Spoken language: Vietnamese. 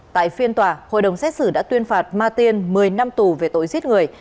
tại phiên tòa hội đồng xét xử đã tuyên phạt ma tiên một mươi năm tù về tội giết người